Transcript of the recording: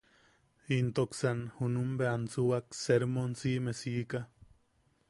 Intoksan junum bea ansuwak sermon si’ime siika.